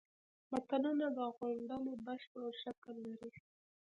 متلونه د غونډلې بشپړ شکل لري